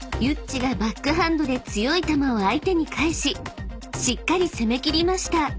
［ユッチがバックハンドで強い球を相手に返ししっかり攻め切りました］